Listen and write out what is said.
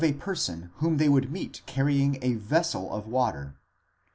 a person whom they would meet carrying a vessel of water.